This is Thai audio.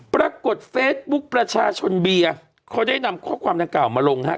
ปรากฏเฟซบุ๊คประชาชนเบียร์เขาได้นำข้อความดังกล่าวมาลงฮะ